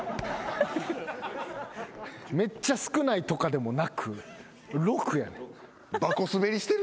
めっちゃ少ないとかでもなく６やねん。